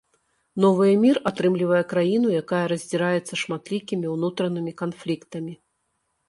Новы эмір атрымлівае краіну, якая раздзіраецца шматлікімі ўнутранымі канфліктамі.